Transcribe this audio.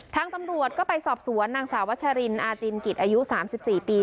ทางตำรวจก็ไปสอบสวนนางสาววัชรินอาจินกิจอายุ๓๔ปี